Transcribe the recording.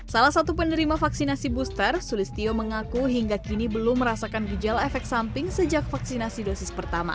salah satu penerima vaksinasi booster sulistio mengaku hingga kini belum merasakan gejala efek samping sejak vaksinasi dosis pertama